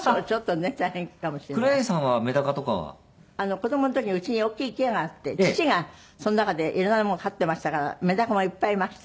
子供の時家に大きい池があって父がその中で色々なものを飼ってましたからメダカもいっぱいいました。